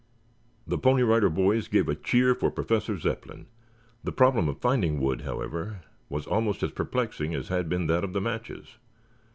The Pony Rider Boys gave a cheer for Professor Zepplin. The problem of finding wood, however, was almost as perplexing as had been that of the matches.